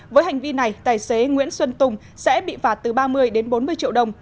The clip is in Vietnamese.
với hành vi này tài xế nguyễn xuân tùng sẽ bị phạt từ ba mươi đến bốn mươi triệu đồng